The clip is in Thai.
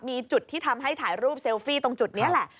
มีจุดที่ทำให้ถ่ายรูปเซลฟี่ตรงจุดนี้แหละ